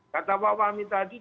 kata pak fahmi tadi